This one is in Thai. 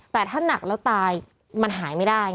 แต่ถ้าหนักแล้วตายมันหายไม่ได้ไง